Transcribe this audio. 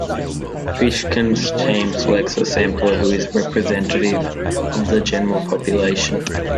Fishkin's team selects a sample who is representative of the general population.